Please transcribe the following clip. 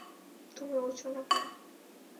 তুমি উড়ছো না কেন?